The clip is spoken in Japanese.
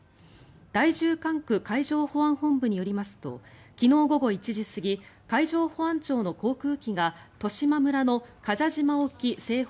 第十管区海上保安本部によりますと昨日午後１時過ぎ海上保安庁の航空機が十島村の臥蛇島沖西方